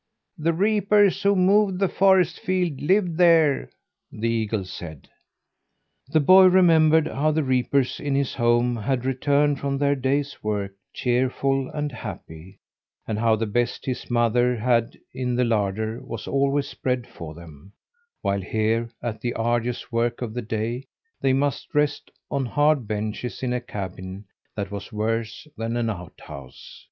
"The reapers who mowed the forest field lived there," the eagle said. The boy remembered how the reapers in his home had returned from their day's work, cheerful and happy, and how the best his mother had in the larder was always spread for them; while here, after the arduous work of the day, they must rest on hard benches in a cabin that was worse than an outhouse.